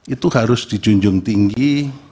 itu harus dijunjung tinggi